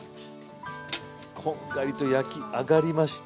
こんがりと焼き上がりました。